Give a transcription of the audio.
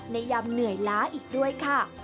ยามเหนื่อยล้าอีกด้วยค่ะ